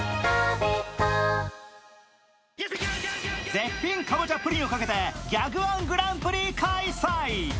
絶品カボチャプリンをかけてギャグ−１グランプリ開催。